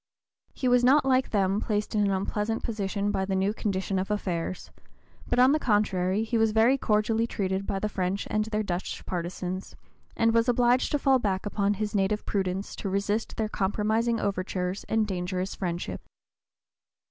He was not, like them, placed in an unpleasant position by the new condition of affairs, but on the contrary he was very cordially treated by the French and their Dutch partisans, and was obliged to fall back upon his native prudence to resist their compromising overtures and dangerous friendship.